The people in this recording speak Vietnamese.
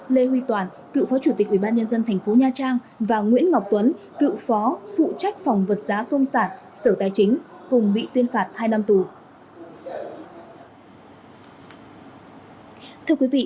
lê huy toàn cựu phó chủ tịch ubnd tp nha trang và nguyễn ngọc tuấn cựu phó phụ trách phòng vật giá công sản sở tài chính cùng bị tuyên phạt hai năm tù